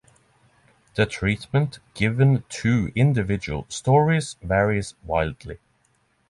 The treatment given to individual stories varies widely.